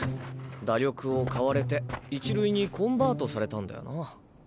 打力を買われて１塁にコンバートされたんだよな。